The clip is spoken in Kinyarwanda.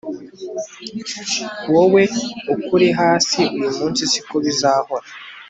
wowe uko urihasi uy'umunsi siko bizahora